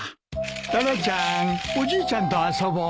タラちゃんおじいちゃんと遊ぼう。